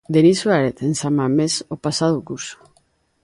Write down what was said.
Denis Suárez, en San Mamés, o pasado curso.